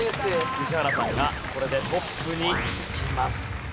宇治原さんがこれでトップにいきます。